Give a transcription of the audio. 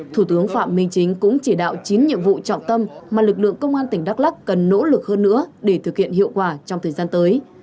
thủ tướng phạm minh chính cũng chỉ đạo chín nhiệm vụ trọng tâm mà lực lượng công an tỉnh đắk lắc cần nỗ lực hơn nữa để thực hiện hiệu quả trong thời gian tới